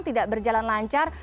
tidak berjalan lancar